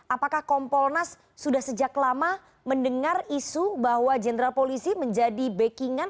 apakah kompolnas sudah sejak lama mendengar isu bahwa jenderal polisi menjadi backing an